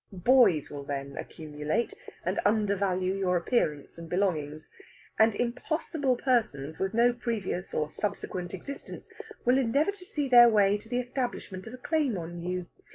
Boys will then accumulate, and undervalue your appearance and belongings. And impossible persons, with no previous or subsequent existence, will endeavour to see their way to the establishment of a claim on you.